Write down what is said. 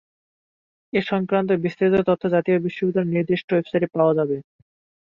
এ সংক্রান্ত বিস্তারিত তথ্য জাতীয় বিশ্ববিদ্যালয়ের নির্দিষ্ট ওয়েবসাইট থেকে পাওয়া যাবে।